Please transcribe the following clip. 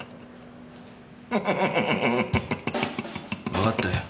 わかったよ。